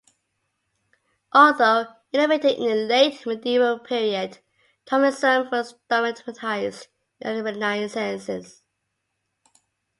Although innovated in the late medieval period, Thomism was dogmatized in the Renaissance.